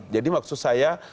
jadi maksud saya